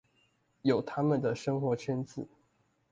有他們的生活圈子